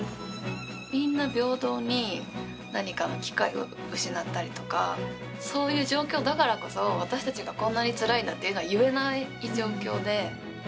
みんな平等に何かの機会を失ったりとか、そういう状況だからこそ、私たちがこんなにつらいんだっていうのは言えない状況で。